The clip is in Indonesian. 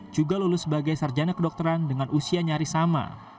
juga lulus sebagai sarjana kedokteran dengan usia nyaris sama